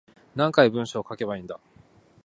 何回文章書けばいいんだ